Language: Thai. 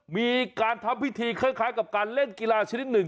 มีการทำพิธีคล้ายกับการเล่นกีฬาชนิดหนึ่ง